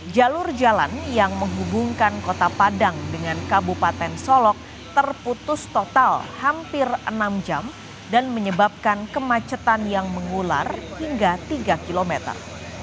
jalur jalan yang menghubungkan kota padang dengan kabupaten solok terputus total hampir enam jam dan menyebabkan kemacetan yang mengular hingga tiga kilometer